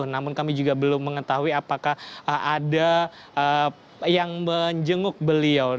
namun kami juga belum mengetahui apakah ada yang menjenguk beliau